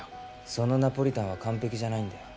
そのナポリタンは完璧じゃないんだよ